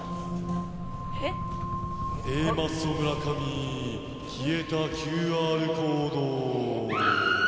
Ａマッソ・村上消えたＱＲコード。